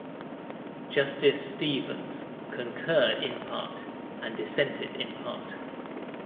Justice Stevens concurred in part and dissented in part.